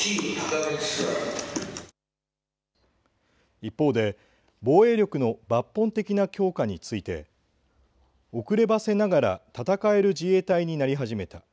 一方で、防衛力の抜本的な強化についておくればせながら戦える自衛隊になり始めた。